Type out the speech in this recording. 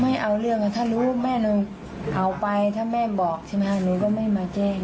ไม่เอาเรื่องถ้ารู้แม่เลยเอาไปถ้าแม่บอกใช่ไหมคะหนูก็ไม่มาแจ้ง